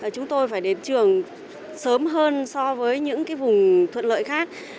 chúng tôi phải đến trường sớm hơn so với những vùng thuận lợi khác